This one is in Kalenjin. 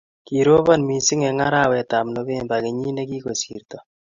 kirobon mising' eng' arawetab Novemba kenyit ne kikosirto.